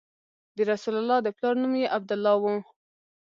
د رسول الله د پلار نوم یې عبدالله و.